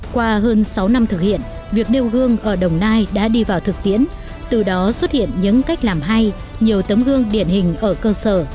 qua hơn sáu năm thực hiện việc nêu gương ở đồng nai đã đi vào thực tiễn từ đó xuất hiện những cách làm hay nhiều tấm gương điển hình ở cơ sở